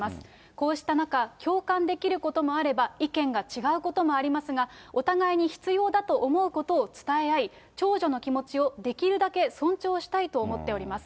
こうした中、共感できることもあれば、意見が違うこともありますが、お互いに必要だと思うことを伝え合い、長女の気持ちをできるだけ尊重したいと思っております。